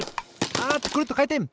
あっとくるっとかいてん！